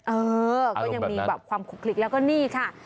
เออก็ยังมีแบบความคลุกคลิกแล้วก็นี่ค่ะ